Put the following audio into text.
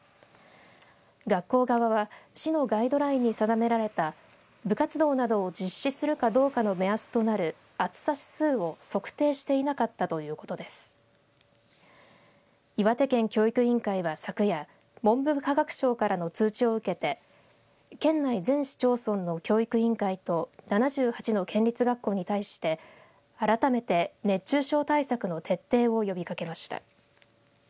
学校側は市のガイドラインに定められた部活動などを実施するかどうかの目安となる暑さ指数を測定していなかったということで岩手県教育委員会は昨夜文部科学省からの通知を受けて県内全市町村の教育委員会と７８の県立学校に対して改めて熱中症対策の徹底を呼びかけました。